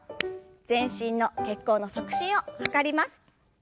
全身の血行の促進を図ります。